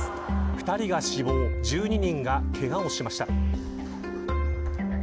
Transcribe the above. ２人が死亡１２人がけがをしました。